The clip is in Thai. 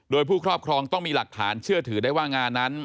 โดยผู้ครอบครองต้องมีหลักฐานเชื่อถือได้ว่างานนั้น